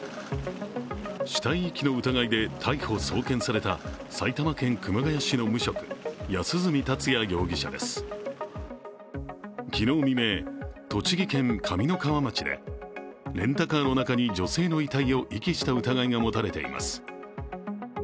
死体遺棄の疑いで逮捕・送検された埼玉県熊谷市の無職、安栖達也容疑者です、昨日未明、栃木県上三川町でレンタカーの中に女性の遺体を遺棄した疑いが持たれています。